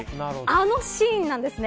あのシーンなんですね。